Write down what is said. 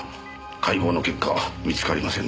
解剖の結果見つかりませんでした。